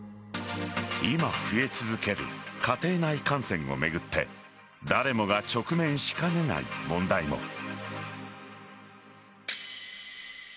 今、増え続ける家庭内感染を巡って誰もが直面しかねない問題も。